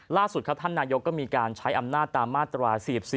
ล่าสุดครับท่านนายกก็มีการใช้อำนาจตามมาตรา๔๔